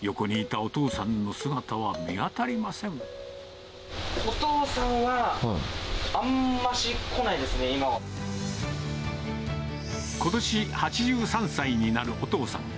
お父さんは、あんまし来ないことし８３歳になるお父さん。